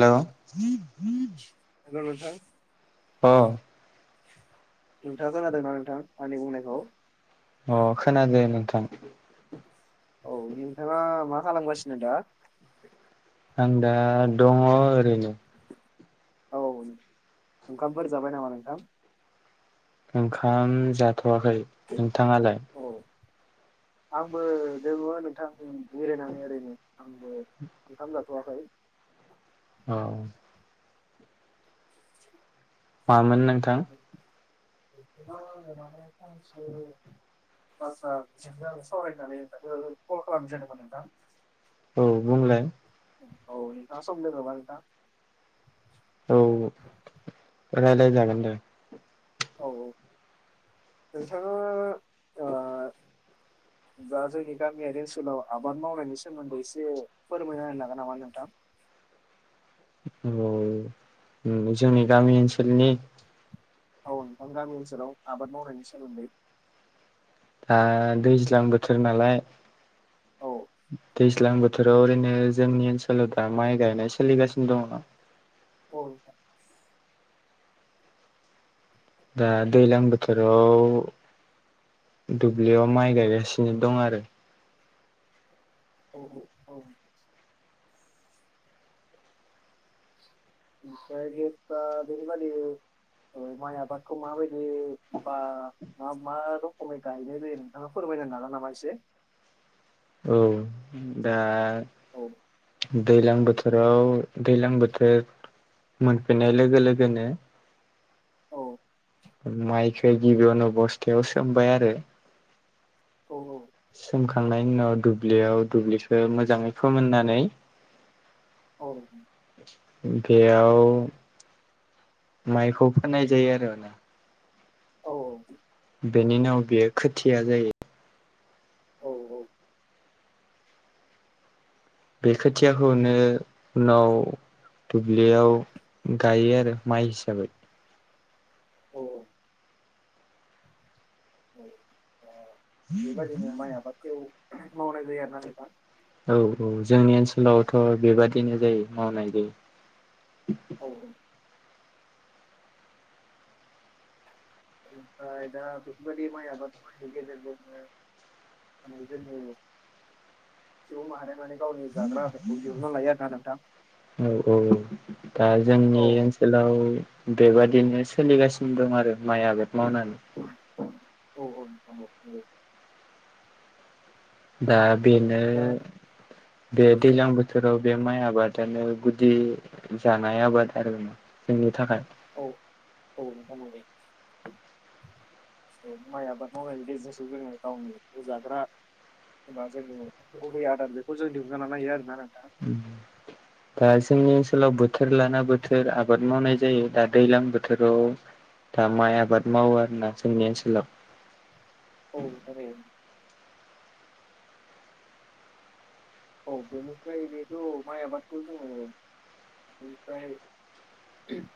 Hello. Hello नोंथां। अ। नोंथाङा खोनादों ना नोंथां आंनि बुंनायखौ? अ खोनादो नोंथां। औ नोंथाङा मा खालामगासिनो दा? आं दा दङ ओरैनो। औ ओंखामफोर जाबाय नामा नोंथां? ओंखाम जाथ'वाखै नोंथाङालाय? औ आंबो दोङो नोंथां जिरायनानै ओरैनो। आंबो ओंखाम जाथ'वाखै। अ। [inaudible] मामोन नोंथां? [unintelligible] आदसा [unintelligible] सावरायनानै नोंथांखो कल खालामनाय जादोमोन नोंथां। औ बुंलाय। औ नोंथाङा सम दोङोबा नोंथां? औ रायलायजागोन दे। औ औ नोंथाङा [inaudible] बा जोंनि गामियारि ओनसोलाव आबाद मावनायनि सोमोन्दै एसे फोरमायना होनो हागोन नामा नोंथां? औ जोंनि गामि ओनसोलनि टाउन बा गामि ओनसोलाव आबाद मावनायनि सोमोन्दै आ दैज्लां बोथोर नालाय औ दैज्लां बोथोराव ओरैनो जोंनि ओनसोलाव दा माइ गायनाय सोलिगासिनो दङ। अ ओं दा दैलां बोथोराव दुब्लियाव माइ गायगासिनो दं आरो औ औ ओमफ्राय बे दा बेनिबादि ओ माइ आबादखौ माबायदि बा मा मा र'खमै गायनाय जायो नोंथाङा फोरमायना होनो हागोन नामा एसे औ दा औ दैलां बोथोराव दैज्लां बोथोर मोनफिननाय लोगो लोगोनो औ माइखो गिबिनो बस्थायाव सोमबाय आरो औ औ सोमखांनायनि उनाव दुब्लियाव दुब्लिखो मोजाङै फोमोननानै औ बेआव माइखौ फोननाय जायो आरोना औ औ बेनि उनाव बेयो खोथिया जायो औ औ बे खोथियाखौनो उनाव दुब्लियाव गायो आरो माइ हिसाबै औ औ ऐ ओ बेबायदिनो माइ आबादयाव मावनाय जायो आरो ना नोंथां औ औ जोंनि ओनसोलावथ' बेबादिनो जायो मावनाय जायो औ औ ओमफ्राय दा बेफोरबादि माय आबादफोरनि गेजेरजोंनो जिबनाव हानायमाने गावनि जाग्रा आदारखौ दिहुनना लायो आरोना नोंथां औ औ औ दा जोंनि औ औ ओनसोलाव बेबादिनो सोलिगासिनो दं आरो माइ आबाद मावनानै औ औ‌ नोंथां औ [unintelligible] दा बेनो दा बे दैलां बोथोराव बे माइ आबादानो गुदि जानाय आबाद आरोना जोंनि थाखाय औ औ नोंथां नले माय आबाद मावनायनि गेजेरजोंसो जोङो गावनि जाग्रा एबा जोंनि गुबै आदार बेखौ जों दिहुन्ना लानो हायो आरोना नोंथां प्राय जोंनि ओनसोलाव बोथोर लाना बोथोर आबाद मावनाय जायो दा दैलां बोथोराव दा माइ आबाद मावो आरो ना जोंनि ओनसोलाव औ दाबायां औ बेनिफ्राय बेथ' माइ आबादखौ जोङो बेनिफ्राय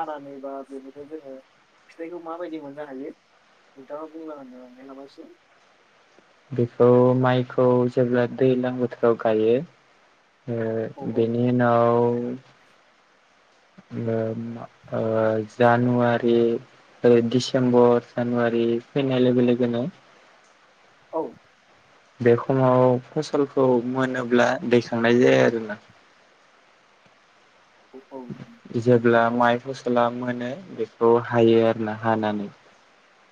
हानानै बा बेबोथ' जोङो फिथाइखौ माबायदि मोननो हायो नोथाङा बुंना होनो हानाय नामा एसे बेखौ माइखौ जेब्ला दैज्लां बोथोराव गायो औ ओ औ बे नि उनाव ओ जानुवारि बै डिसेम्बर जानुवारि फैनाय लोगो लोगोनो औ बे खमाव फसलखौ मोनोब्ला दैखांनाय जाया आरोना औ अ जेब्ला माइ फसला मोनो बेखौ हायो आरो ना हानानै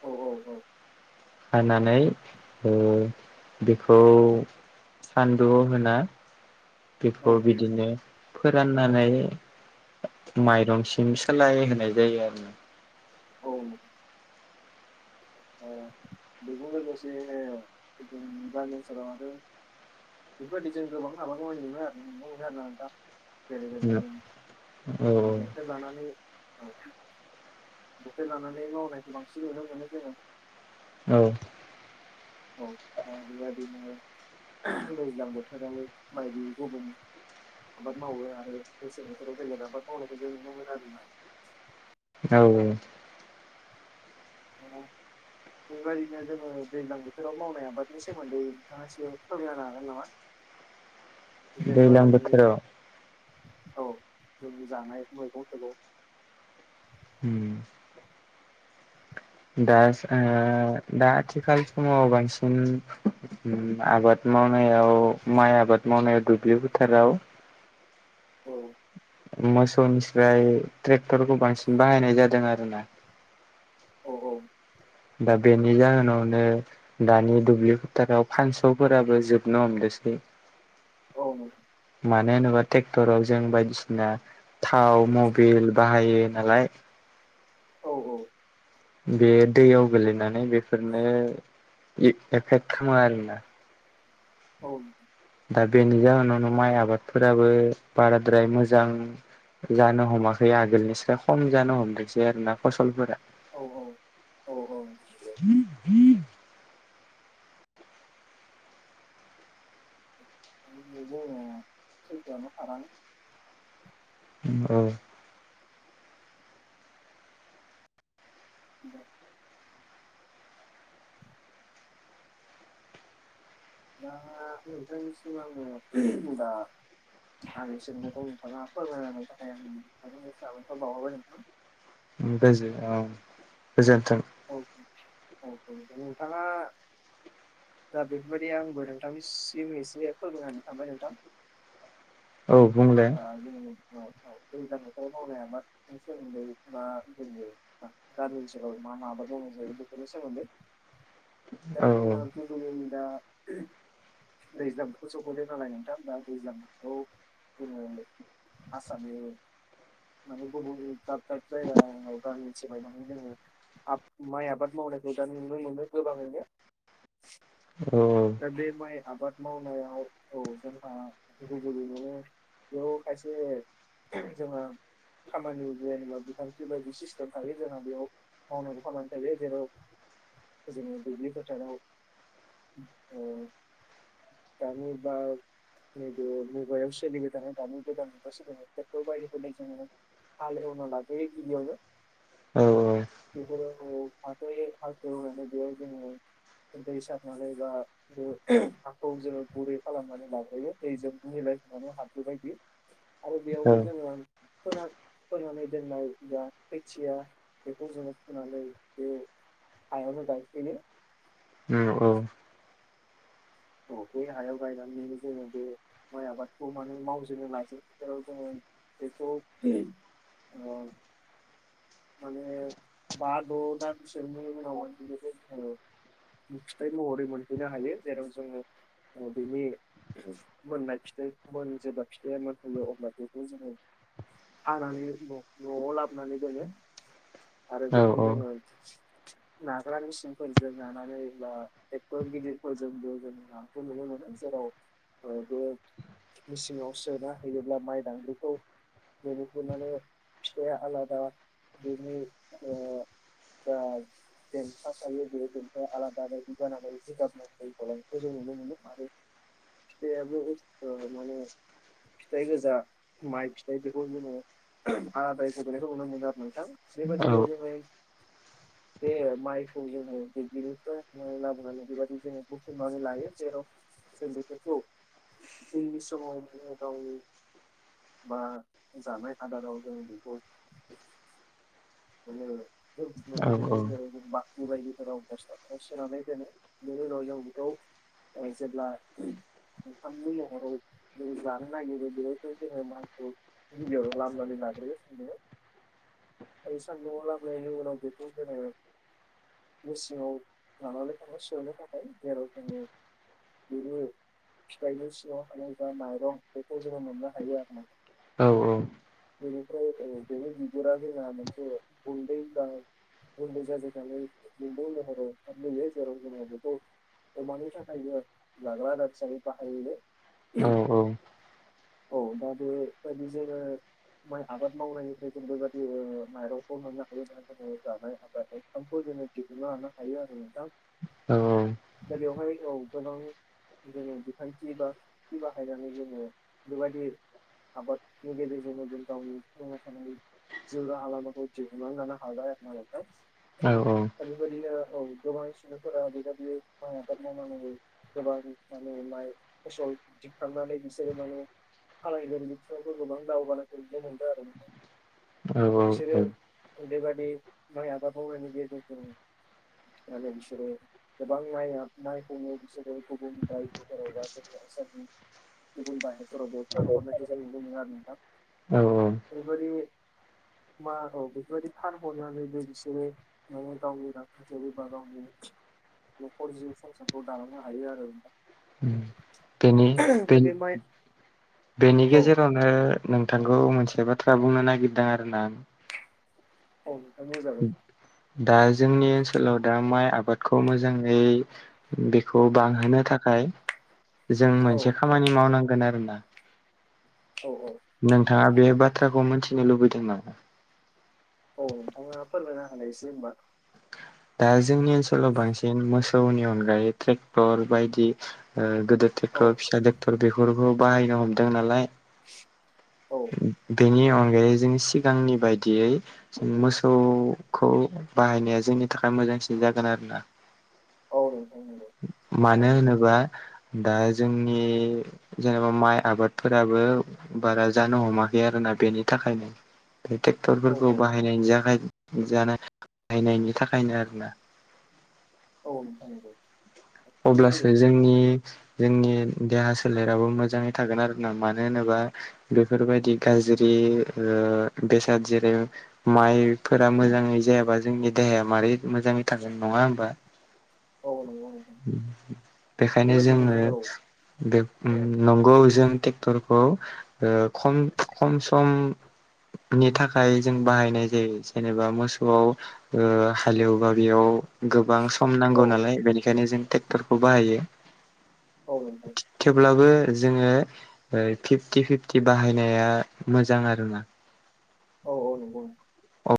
औ औ औ। हानानै ओ बेखौ सानदुआव होना औ बेखौ बिदिनो फोराननानै माइरंसिम सोलाय होनाय जायो आरो। औ। अ बेजों लोगोसेनि गामि ओनसोलाव आरो बिफोरबादि जों गोबां [unintelligible] जेरै बादि जों औ औ जेटफोर लानानै औ बोथोर लानानै मावनायखौ बांसिन नुनो मोनो जोङो। औ। औ दा बेबादिनो दैज्लां बोथोराव माइ [unintelligible] आबाद मावो आरो मेसें बोथोराव बेलेग आबाद मावनायखौ जों नुनो मोनो आरोना। औ औ। [inaudible] बेबायदिनो जोङो दैज्लां बोथोराव मावनाय हाबादनि सोमोन्दै नोंथाङा एसे फोरमायना होनो हागोन नामा? [inaudible] जेनेबा दैज्लां जोंनि बोथोराव औ जोंनि जानाय मैगं थाइगं उम‌। दा ओ दा आथिखाल समाव बांसिन उम आबाद मावनायाव माइ आबाद मावनायाव दुब्लि फोथाराव औ। मोसौनिस्राय ट्रेक्टरखौ बांसिन बाहायनाय जादों आरोना। औ औ। दा बेनि जाहोनावनो दानि दुब्लि फोथाराव फानसौफोराबो जोबनो हमदोसै। औ नंगौ। मानो होनोबा ट्रेक्टराव जों बायदिसिना थाव मबिल बाहायो नालाय। औ औ। बे दैयाव गोलैनानै बेफोरनो ए-एफेक्ट खामो आरोना। औ। दा बेनि जाहोनावनो माइ आबादफोराबो बाराद्राय मोजां जानो हमाखै आगोलनिसा खम जानो हमदोंसै आरो ना फसलफोरा। औ औ औ औ। [unintelligible] ओ। [inaudible] दा नोंथांनिसिम आङो दा आंनि सोंनायखौ नोंथाङा फोरमायना होनायनि थाखाय आं नोंथांनो साबायखर बाउहरबाय नोंथां। गोजो औ गोजोन्थों। औ औ बेनिखायनो नोंथाङा दा बेफोरबायदि आंबो नोंथांनिसिम एसे फोरमायना होनो सानबाय नोंथां। औ बुंलाय। [unintelligible] दैज्लां बोथोराव मावनाय आबादनि सोमोन्दै मा [unintelligible] गामि ओनसोलाव मा मा आबाद मावनाय जायो बेफोरनि सोमोन्दै दा औ जोङो गुबैयै दा दैज्लां बोथोर सफैबाय नालाय नोंथां दा दैज्लांखौ जोङो आसामनि [unintelligible] आब माइ आबाद मावनायखौ दा‌ नुनो मोनो गोबाङैनो। औ। दा बे माइ आबाद मावनायाव औ जोंहा गुबैयैनो बेयाव खायसे जोंहा खामानि जेनेबा बिथांखि बायदि सिस्टेम थायो जोंना बेयाव। मावनांगौ खामानि थायो जेराव जों दुब्लि फोथाराव औ गामि बा नैबे मुगायाव सोलिबाय थानाय दानि गोदान मुगा सोलिबाय थानाय [unintelligible] बायदिखौ जों हाल एवना लाग्रोयो गिबियावनो औ औ। बेफोरो न'आव [unintelligible] एवनानै बेयाव जोङो दै सार [unintelligible] ओ हाखौ जोङो गुरै खालामनानै लाग्रोयो दैजों मिलायहोनानै हाब्रु बायदि। आरो बेयावनो जोङो फोना फोनानै दोननाय जा खोथिया बेखौ जोङो फुनानै बे हायावनो गाय फैयो। औ औ औ [inaudible] औ बे हायाव गायनानैनो जोङो बे माइ आबादखौ माने मावजेननो लाजेननायाव जोङो बेखौ ओ माने बा द' दानसोनि उनाव [unintelligible] फिथाइ महरै मोनहैनो हायो जेराव जोङो ओ बिनि मोननाय फिथाइ मोन जेब्ला फिथाइया मोनफैयो अब्ला बेखौ जोङो हानानै न' न'आव लाबोनानै दोनो आरो औ बेखौ औ जोङो नाग्रा मिसिनफोरजों नानानै बा टेक्टर गिदिरफोरजोंबो जोंहा खौ नुनो मोनो। जेराव ओ बे मेसिंआव सोना हैयोब्ला माइ दांग्रिखौ बेनिख्रुइ माने फिथाइया आलादा बेनि ओ जा देन्था थायो बे देन्थाया आलादा [unintelligible] जानानै जिगाब [unintelligible] खौ जों नुनो मोनो आरो फिथाइयाबो ओ माने फिथाइ गोजा माइ फिथाइ बेखौ जोङो आलादायै गबोनायखौ नुनो मोनो आरो। नोंथां औ बेबादिनो जोङो बे माइखौ जोङो दुब्लिनिफ्राय हानानै लाबोनानै, बेबादि जों हुख्रेमनानै लायो। जेराव जों बेफोरखौ उननि समाव गावनि बा जानाय आदाराव जों बेखौ [unintelligible] दुलि बायदिफोराव, बस्थाफोराव सोनानै दानो बेनि उनाव जों बेखौ ओ जेब्ला ओंखामनि महराव जों जानो नागिरो बेयावथ' जोङो माइखौ गिबियावनो लामनानै लाग्रोयो जोङो। ओइ सान्दुङाव लामनायनि उनाव बिखौ जोङो मेसिङाव लानानै थाङो सौनो थाखाय जेराव जोङो बिनि फिथाइनि सिङाव थानाय जा माइरं बेखौ जोङो मोननो हायो आरो ना। औ औ। बेनिफ्राय ओ बिनि बिगुरा जोंहा मोनसे गुन्दै [unintelligible] गुन्दै जाजोबनानै गुन्दैनि महराव ओंखारबोयो जेराव जोङो बेखौ अमानि थाखायबो जाग्रा आदार हिसाबै बाहायनो ओ औ। औ दाबो बायदि जोङो माइ आबाद मावनायनिफ्राय जों बेबादि ओ माइरंखौ मोननो हायो [unintelligible] जोङो जानाय आदार [unintelligible] ओंखामखौ जों दिहुनना लानो हायो आरो नोंथां। औ। दा बेवहाय औ गोबां जोङो बिखान्थि बा थि बाहायनानै जोङो बेबायदि आबादनि गेजेरजोंनो गावनि थांना थानायनि जिउ राहालामाखौ दिहुनानै लानो हाबाय आरोना नोंथां औ औ। दा बेबायदिनो औ गोबां सिन्दाफोरा नै दा बियो माय आबाद मावनानैबो गोबां माने माइ फसल दिखांनानै बिसोरो माने खालाइबोर बिथिङावबो गोबां दावगानायखौ नुनो मोन्दों आरो नोंथां औ बिसोरो बेबादि माइ आबाद मावनाय गेजेरजों आरो बिसोरो गोबां माया मायखौनो बिसोरो गुबुननि दारै एबा गेजेराव आसारनि गुबुन बा शहराव फानहरनायखौ जों नुनो मोनोआरो नोंथां औ ओैरैबायदि मा औ बेफोरबायदि फानहरनानैबो बिसोरो [unintelligible] न'खर जिउ संसारखौ दालांनो हायो आरो नोंथां उम बेनि बेनि बे माइ बेनि औ गेजेरावनो ओ नोंथांखौ मोनसे बाथ्रा बुंनो नागिरदों आरोना आं औ नोंथां बुंजागोन दा जोंनि ओनसोलाव दा माइ आबादखौ मोजाङै बेखौ बांहोनो थाखाय जों औ मोनसे खामानि मावनांगोन आरोना औ औ। नोंथाङा बे बाथ्राखौ मिथिनो लुबैदों नामा? औ नोंथांङा फोरमायना होनाय एसे होमबा दा जोंनि ओनसोलाव बांसिन मोसौनि अनगायै ट्रेक्टर बायदि ओ गोदोर औ टेक्टर फिसा ट्रेक्टर बेफोरखौ बाहायनो हमदों नालाय औ। बेनि अनगायै जों सिगांनि बायदियै जों मोसौखौ बाहायनाया जोंनि थाखाय मोजांसिन जागोन आरोना औ नोंथां नंगौ मानो थारैनो होनोबा दा जोंनि जेनेबा माइ आबादफोराबो बारा जानो हमाखै आरोना बेनि थाखायनो बे औ ट्रेक्टरफोरखौ बाहायनायनि जानाय जानो हायनायनि थाखायनो आरोना औ नोंथां नंगौ। अब्लासो बेबायदिनो जोंनि जोंनि देहा सोलेराबो मोजाङै थागोन आरोना मानो होनोबा बेफोरबायदि गाज्रि ओ बेसाद जेरै माइफोरा मोजाङै जायाबा जोंनि देहाया मारै मोजाङै थागोन नङा होमबा औ नंगौ औ। बेखायनो जोंङो बेब उम औ नंगौ जों ट्रेक्टरखौ खम ओ खम सम नि थाखाय जों बाहायनाय जायो जेनेबा मोसौआव ओ हालेवबा बेयाव गोबां सम औ नांगौ नालाय बेनिखायनो जों ट्रेक्टरखौ बाहायो। औ नोंथां। थेवब्लाबो जोङो ओ फिफ्टि फिफ्टि बाहायनाया मोजां आरोना औ औ नंगौ